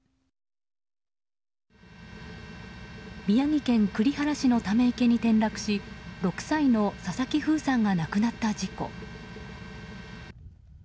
宮城県栗原市のため池に転落し６歳の佐々木楓さんが亡くなった事故。